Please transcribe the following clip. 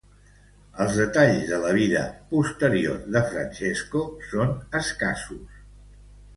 Els detalls de la vida posterior de Francesco són escassos.